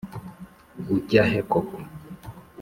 ujya he koko?